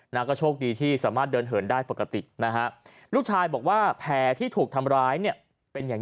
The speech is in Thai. ก็โชคดีที่สามารถเดินเหินได้ปกตินะฮะลูกชายบอกว่าแผลที่ถูกทำร้ายเนี่ยเป็นอย่าง